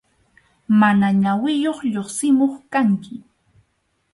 Mana ñawiyuq lluqsimuq kanki.